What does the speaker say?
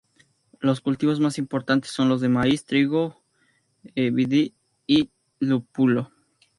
Los cultivos más importantes son los de maíz, trigo, vid y lúpulo.